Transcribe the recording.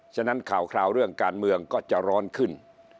ฉะนั้นข่าวเรื่องการเมืองก็จะร้อนขึ้น